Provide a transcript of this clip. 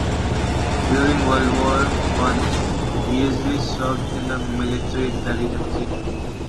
During World War One, Beazley served in military intelligence.